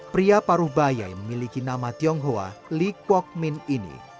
pria paruh bayai memiliki nama tionghoa likwokmin ini